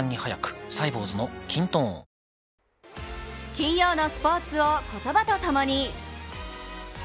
金曜のスポーツを言葉とともに。